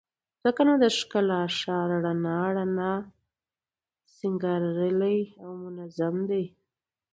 ځکه نو د ښکلا ښار رڼا رڼا، سينګارلى او منظم دى